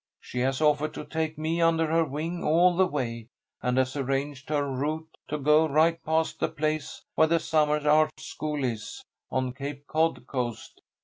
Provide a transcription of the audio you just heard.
She has offered to take me under her wing all the way, and has arranged her route to go right past the place where the summer art school is, on Cape Cod coast.